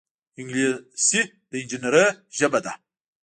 انګلیسي د انجینرۍ ژبه ده